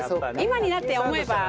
今になって思えば。